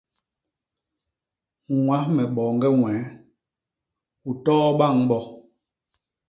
Ñwas me boñge ñwee, u too bañ bo.